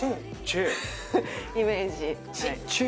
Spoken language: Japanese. イメージ。